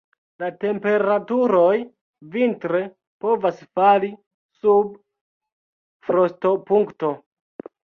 La temperaturoj vintre povas fali sub frostopunkto.